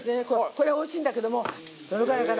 これおいしいんだけどもどのぐらいかな？